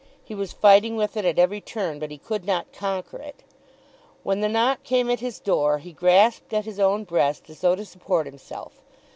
He was fighting with it at every turn, but he could not conquer it. When the knock came at his door, he grasped at his own breast as though to support himself.